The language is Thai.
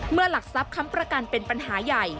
หลักทรัพย์ค้ำประกันเป็นปัญหาใหญ่